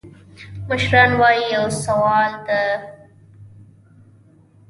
مشران وایي: یو سوال او د کونې کار مه کوه.